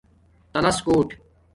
تلس کوٹ